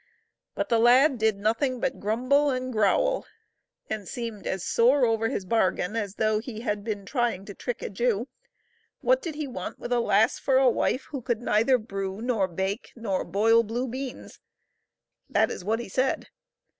But the lad did nothing but grumble and growl, and seemed as sore over his bargain as though he had been trying to trick a Jew. What did he want with a lass for a wife who could neither brew nor bake nor boil blue beans ? That is what he said.